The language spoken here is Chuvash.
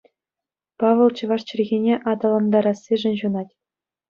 Павӑл чӑваш чӗлхине аталантарассишӗн ҫунать.